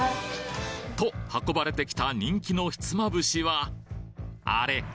と、運ばれてきた人気のひつまぶしは、あれ？